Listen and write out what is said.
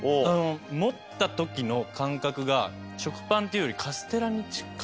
持った時の感覚が食パンっていうよりカステラに近い感じ。